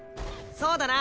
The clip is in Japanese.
そうだな。